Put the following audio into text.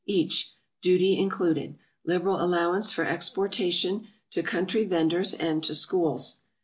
each, Duty included. Liberal Allowance for Exportation, to Country Venders and to Schools.